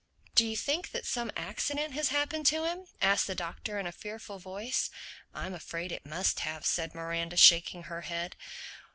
"Do you think that some accident has happened to him?" asked the Doctor in a fearful voice. "I'm afraid it must have," said Miranda shaking her head.